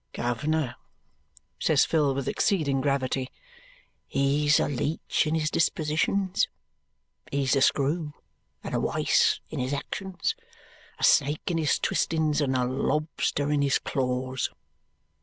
"Guv'ner," says Phil with exceeding gravity, "he's a leech in his dispositions, he's a screw and a wice in his actions, a snake in his twistings, and a lobster in his claws."